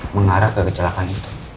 mengarah ke kecelakaan itu